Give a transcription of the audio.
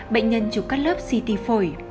bệnh nhân chụp cắt lớp xíu